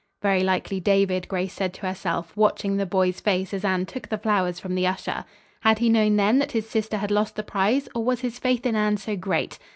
"Very likely David," Grace said to herself, watching the boy's face as Anne took the flowers from the usher. Had he known then that his sister had lost the prize, or was his faith in Anne so great?